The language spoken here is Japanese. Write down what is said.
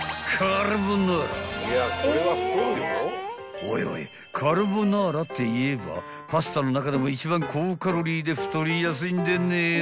［おいおいカルボナーラっていえばパスタの中でも一番高カロリーで太りやすいんでねえの？］